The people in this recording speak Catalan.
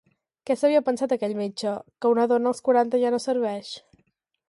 Què s'havia pensat aquell metge, que una dona als quaranta ja no serveix?